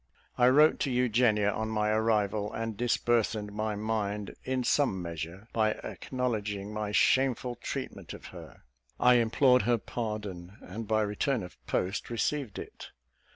I wrote to Eugenia on my arrival; and disburthened my mind in some measure, by acknowledging my shameful treatment of her. I implored her pardon; and, by return of post, received it.